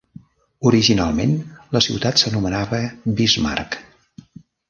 Originalment, la ciutat s'anomenava Bismarck.